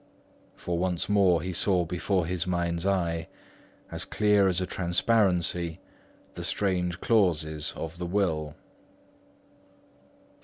For once more he saw before his mind's eye, as clear as transparency, the strange clauses of the will.